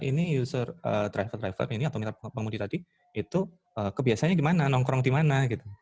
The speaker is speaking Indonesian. ini driver driver ini mitra pengemudi tadi itu kebiasaannya gimana nongkrong dimana